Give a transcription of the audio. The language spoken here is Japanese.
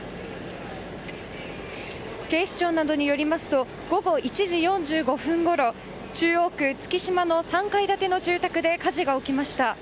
警視庁などによりますと午後１時４５分ごろ中央区月島の３階建ての住宅で火事が起きました。